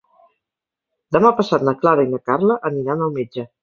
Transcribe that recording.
Demà passat na Clara i na Carla aniran al metge.